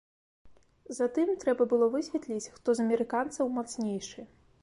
Затым трэба было высветліць, хто з амерыканцаў мацнейшы.